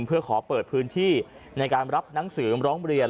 เพื่อขอเปิดพื้นที่ในการรับหนังสือร้องเรียน